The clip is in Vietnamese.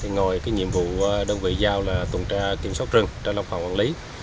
ngồi nhiệm vụ đồng vị giao là tổng trà kiểm soát rừng trà lòng phòng quản lý